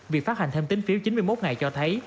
việc phát hành thêm tính phiếu chín mươi một ngày cho thấy